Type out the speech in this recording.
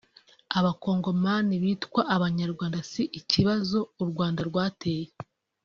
“Abakongomani bitwa Abanyarwanda si ikibazo u Rwanda rwateye